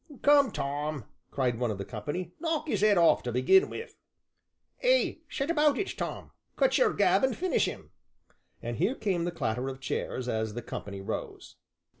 "Come, Tom," cried one of the company, "knock 'is 'ead off to begin with." "Ay, set about 'm, Tom cut your gab an' finish 'im," and here came the clatter of chairs as the company rose.